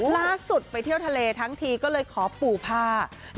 ล่าสุดไปเที่ยวทะเลทั้งทีก็เลยขอปู่ผ้า